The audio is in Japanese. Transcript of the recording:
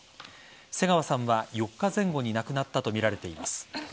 瀬川さんは４日前後に亡くなったとみられています。